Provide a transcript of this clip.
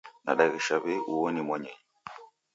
Nadaghesha w'ei uo ni mwanyinyu